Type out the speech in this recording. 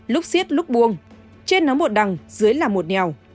lúc xiết lúc buông trên nó một đằng dưới là một nèo